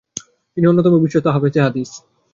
তিনি অন্যতম বিশ্বস্ত হাফেজে হাদিস ।